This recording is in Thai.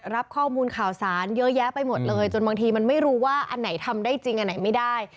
รับข้อมูลข่าวสารเยอะแยะไปหมดเลยจนบางทีมันไม่รู้ว่าอันไหนทำได้จริงอันไหนไม่ได้